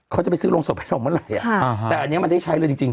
เขาจะไปซื้อโรงศพให้เราเมื่อไหร่แต่อันนี้มันได้ใช้เลยจริงจริง